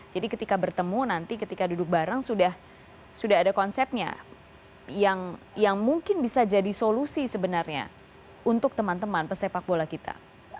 jadi ketika bertemu nanti ketika duduk bareng sudah ada konsepnya yang mungkin bisa jadi solusi sebenarnya untuk teman teman pesepak bola kita